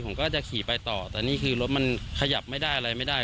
ผมก็จะขี่ไปต่อแต่นี่คือรถมันขยับไม่ได้อะไรไม่ได้